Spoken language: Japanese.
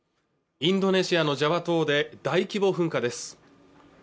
インドネシアのジャワ島で大規模噴火です